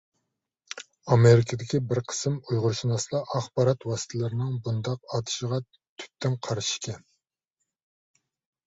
ئامېرىكىدىكى بىر قىسىم ئۇيغۇرشۇناسلار ئاخبارات ۋاسىتىلىرىنىڭ بۇنداق ئاتىشىغا تۈپتىن قارشى ئىكەن.